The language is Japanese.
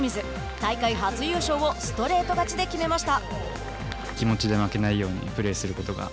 大会初優勝をストレート勝ちで決めました。